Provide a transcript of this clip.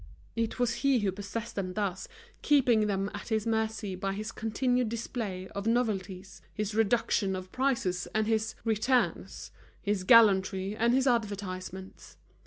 It was he who possessed them thus, keeping them at his mercy by his continued display of novelties, his reduction of prices, and his "returns," his gallantry and his advertisements.